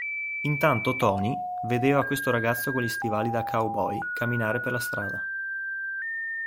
Intanto Tony vedeva questo ragazzo con gli stivali da cowboy camminare per la strada.